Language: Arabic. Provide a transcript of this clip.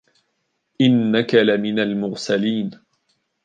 إنك لمن المرسلين